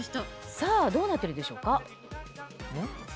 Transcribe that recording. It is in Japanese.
さぁどうなってるでしょうか？